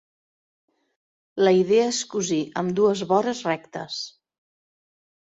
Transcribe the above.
La idea és cosir ambdues vores rectes.